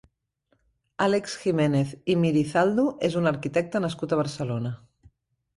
Àlex Giménez Imirizaldu és un arquitecte nascut a Barcelona.